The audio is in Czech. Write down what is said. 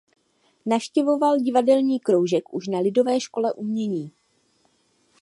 Navštěvoval divadelní kroužek už na Lidové škole umění.